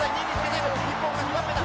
日本が２番目だ。